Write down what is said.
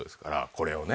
これをね。